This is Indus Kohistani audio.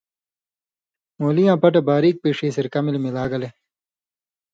مولی یاں پٹہۡ باریک پیݜی سرکہ ملی ملا گلے